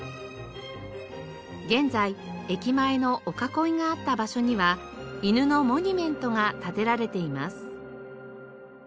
現在駅前の御囲があった場所には犬のモニュメントが立てられています。